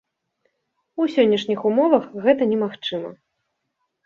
У сённяшніх умовах гэта немагчыма.